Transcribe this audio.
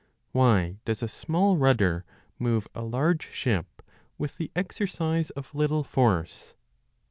Why does a small rudder move a large ship with the exercise of little force